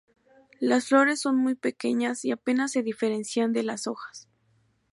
Las flores son muy pequeñas y apenas se diferencian de las hojas.